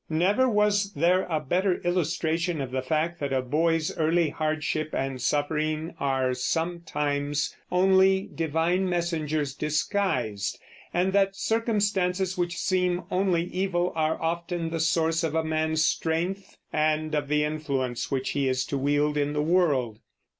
Never was there a better illustration of the fact that a boy's early hardship and suffering are sometimes only divine messengers disguised, and that circumstances which seem only evil are often the source of a man's strength and of the influence which he is to wield in the world.